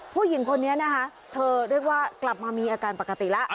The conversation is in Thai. ผู้หญิงคนนี้นะคะเธอเรียกว่ากลับมามีอาการปกติแล้ว